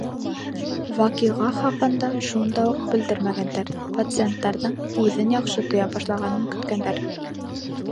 Ваҡиға хаҡында шунда уҡ белдермәгәндәр, пациенттың үҙен яҡшы тоя башлағанын көткәндәр.